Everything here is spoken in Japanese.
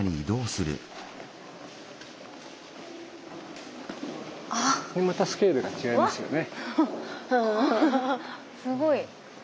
すごい。